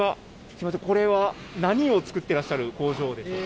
すみません、これは何を作ってらっしゃる工場ですか？